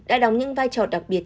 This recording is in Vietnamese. đã đóng những vai trò đặc biệt